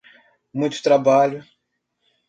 Muito trabalho